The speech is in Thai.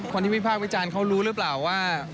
คนที่วิภาควิจารณ์เขารู้หรือเปล่าว่า